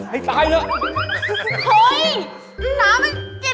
ไอ้ตายเหลือ